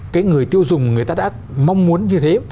cái người tiêu dùng người ta đã mong muốn như thế